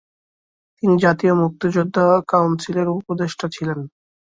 তিনি জাতীয় মুক্তিযোদ্ধা কাউন্সিলের উপদেষ্টা ছিলেন।